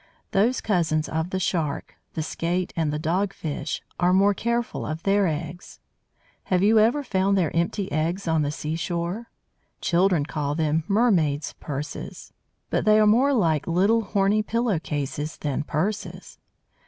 Those cousins of the Shark, the Skate and the Dog fish, are more careful of their eggs. Have you ever found their empty eggs on the sea shore? Children call them "mermaids' purses." But they are more like little horny pillow cases than purses.